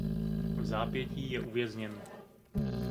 Vzápětí je uvězněn.